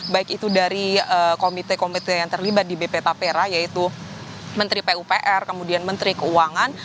baik itu dari komite komite yang terlibat di bp tapera yaitu menteri pupr kemudian menteri keuangan